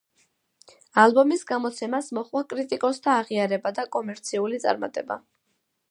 ალბომის გამოცემას მოჰყვა კრიტიკოსთა აღიარება და კომერციული წარმატება.